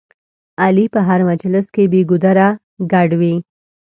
علي په هر مجلس کې بې ګودره ګډ وي.